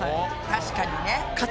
確かにね。